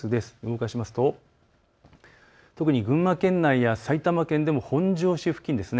動かすと、特に群馬県内や埼玉県でも本庄市付近。